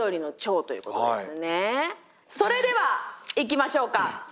それではいきましょうか。